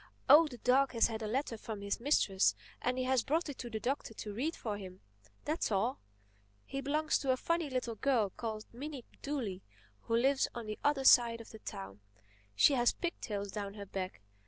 "Oh, the dog has had a letter from his mistress and he has brought it to the Doctor to read for him. That's all. He belongs to a funny little girl called Minnie Dooley, who lives on the other side of the town. She has pigtails down her back.